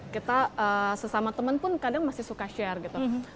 kita sesama teman pun kadang masih suka share gitu